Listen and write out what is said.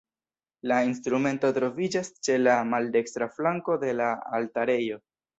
La instrumento troviĝas ĉe la maldekstra flanko de la altarejo.